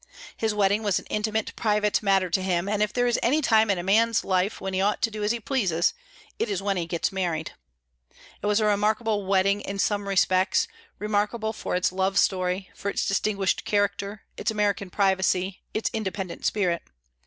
His wedding was an intimate, private matter to him, and if there is any time in a man's life when he ought to do as he pleases it is when he gets married. It was a remarkable wedding in some respects, remarkable for its love story, for its distinguished character, its American privacy, its independent spirit.